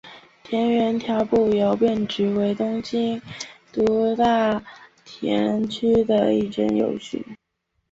田园调布邮便局为东京都大田区的一间邮局。